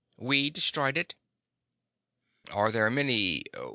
We destroyed it." "Are there many